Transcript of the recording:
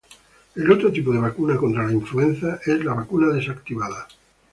El otro tipo de vacuna contra la influenza es la vacuna desactivada.